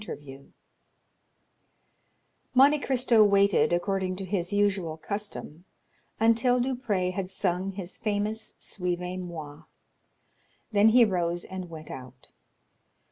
The Night Monte Cristo waited, according to his usual custom, until Duprez had sung his famous "Suivez moi!" then he rose and went out.